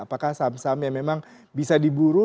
apakah saham saham yang memang bisa diburu